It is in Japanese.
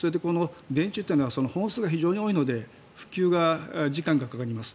電柱というのは本数が非常に多いので復旧に時間がかかります。